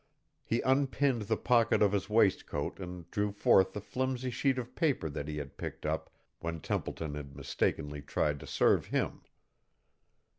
He unpinned the pocket of his waistcoat and drew forth the flimsy sheet of paper that he had picked up when Templeton had mistakenly tried to serve him.